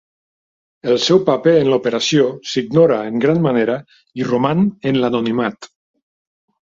El seu paper en l'operació s'ignora en gran manera i roman en l'anonimat.